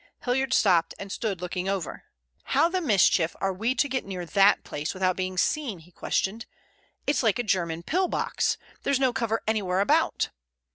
Hilliard stopped and stood looking over. "How the mischief are we to get near that place without being seen?" he questioned. "It's like a German pill box. There's no cover anywhere about."